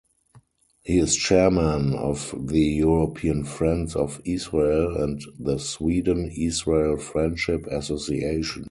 He is Chairman of the European Friends of Israel and the Sweden-Israel Friendship Association.